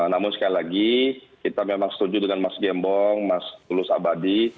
namun sekali lagi kita memang setuju dengan mas gembong mas tulus abadi